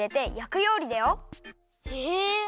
へえ！